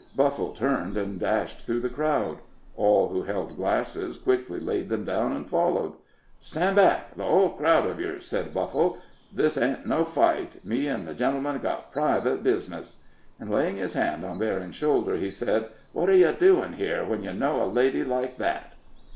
Buffle turned and dashed through the crowd; all who held glasses quickly laid them down and followed. "Stand back, the hull crowd uv yer," said Buffle; "this ain't no fight me an' the gentleman got private bizness." And, laying his hand on Berryn's shoulder, he said, "What are yer doin' here, when yer know a lady like that?"